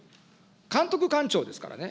監督官庁ですからね。